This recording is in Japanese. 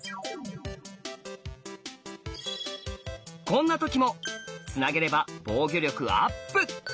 こんな時もつなげれば防御力アップ！